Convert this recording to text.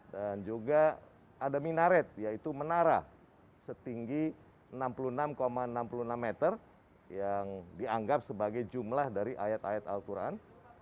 dan juga ada minaret yaitu menara setinggi enam puluh enam enam puluh enam meter yang dianggap sebagai jumlah dari ayat ayat al quran